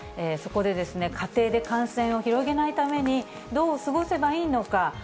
そこで、家庭で感染を広げないために、どう過ごせばいいのか。